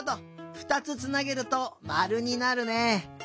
ふたつつなげるとまるになるね。